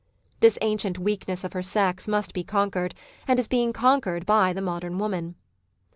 This ancient weakness of her sex must be conquered, and is being conquered by the modern woman.